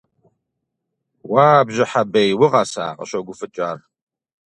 Уа, Бжьыхьэ бей, укъэса?! – къыщогуфӏыкӏ ар.